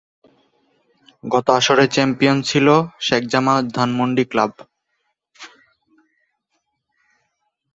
গত আসরের চ্যাম্পিয়ন ছিল শেখ জামাল ধানমন্ডি ক্লাব।